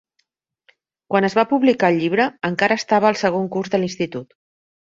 Quan es va publicar el llibre, encara estava al segon curs de l'institut.